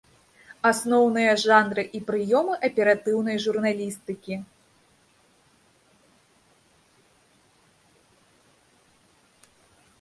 Асноўныя жанры і прыёмы аператыўнай журналістыкі.